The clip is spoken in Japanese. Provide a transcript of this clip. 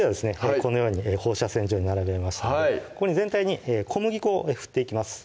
このように放射線状に並べましたのでここに全体に小麦粉を振っていきます